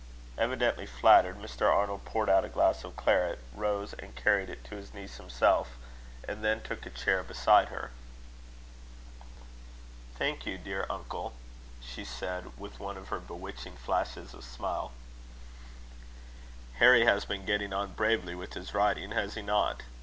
Evidently flattered, Mr. Arnold poured out a glass of claret, rose and carried it to his niece himself, and then took a chair beside her. "Thank you, dear uncle," she said, with one of her bewitching flashes of smile. "Harry has been getting on bravely with his riding, has he not?"